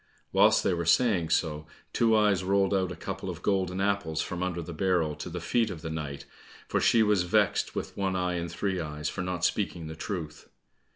Whilst they were saying so, Two eyes rolled out a couple of golden apples from under the barrel to the feet of the knight, for she was vexed with One eye and Three eyes, for not speaking the truth.